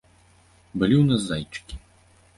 Былі ў нас зайчыкі.